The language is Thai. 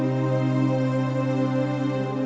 เพื่อให้คุณผู้ดี